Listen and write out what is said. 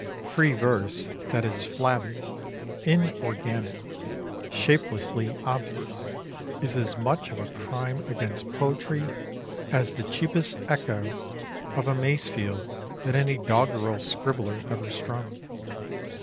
Free verse that is flabby, in organic, shapelessly obvious, is as much of a crime against poetry as the cheapest echo of a Masefield that any doggerel scribbler ever strummed.